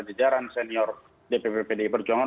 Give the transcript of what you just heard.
jajaran senior dpp pdi perjuangan